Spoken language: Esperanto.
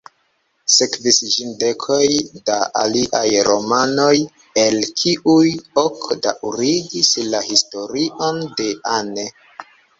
Sekvis ĝin dekoj da aliaj romanoj, el kiuj ok daŭrigis la historion de Anne.